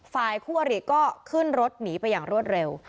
ฝ่ายคู่อริก็ขึ้นรถหนีไปอย่างรวดเร็ว